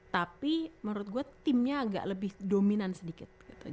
tapi menurut gue timnya agak lebih dominan sedikit gitu